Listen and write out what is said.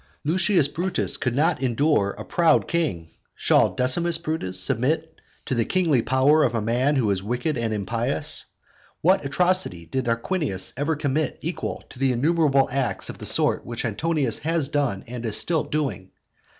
Lucius Brutus could not endure a proud king. Shall Decimus Brutus submit to the kingly power of a man who is wicked and impious? What atrocity did Tarquinius ever commit equal to the innumerable acts of the sort which Antonius has done and is still doing?